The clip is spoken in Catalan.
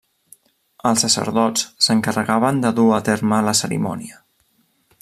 Els sacerdots s'encarregaven de dur a terme la cerimònia.